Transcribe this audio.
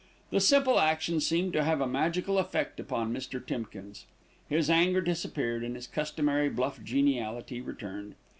The simple action seemed to have a magical effect upon Mr. Timkins. His anger disappeared and his customary bluff geniality returned.